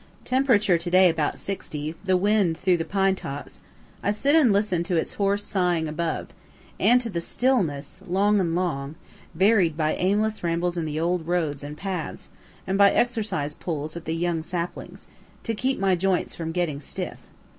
Temperature to day about 60, the wind through the pine tops; I sit and listen to its hoarse sighing above (and to the stillness) long and long, varied by aimless rambles in the old roads and paths, and by exercise pulls at the young saplings, to keep my joints from getting stiff.